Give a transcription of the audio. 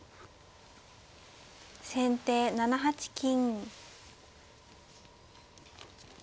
先手７八金。